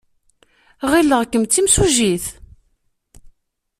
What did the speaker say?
Ɣileɣ-kem d timsujjit.